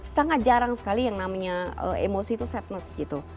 sangat jarang sekali yang namanya emosi itu sadness gitu